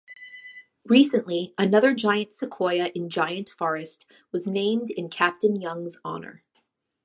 Recently, another giant sequoia in Giant Forest was named in Captain Young's honor.